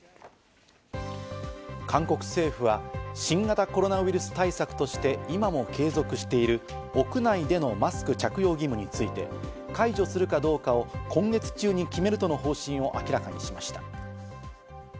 韓国政府は新型コロナウイルス対策として今も継続している屋内でのマスク着用義務について、解除するかどうかを今月中に決めるとの方針を明らかにしました。